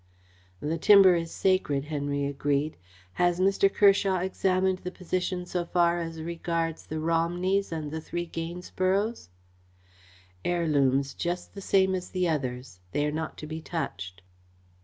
"The timber is sacred," Henry agreed. "Has Mr. Kershaw examined the position so far as regards the Romneys and the three Gainsboroughs?" "Heirlooms, just the same as the others. They are not to be touched."